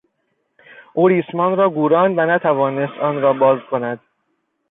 او ریسمان را گوراند و نتوانست آن را باز کند.